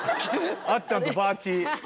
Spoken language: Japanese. あっちゃんとばーちー。